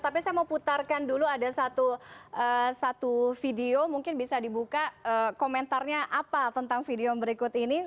tapi saya mau putarkan dulu ada satu video mungkin bisa dibuka komentarnya apa tentang video berikut ini